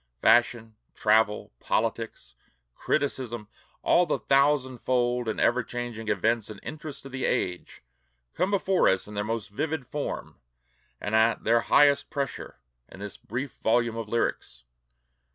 Fashion, travel, politics, criticism, all the thousandfold and ever changing events and interests of the age, come before us in their most vivid form and at their highest pressure, in this brief volume of lyrics.